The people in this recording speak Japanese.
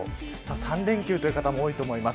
３連休という方も多いと思います。